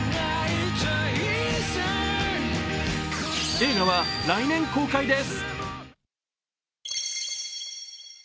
映画は来年公開です。